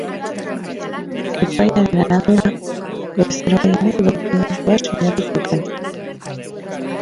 Epaiaren arabera, bezero gehienek dokumentua sinatu zuten.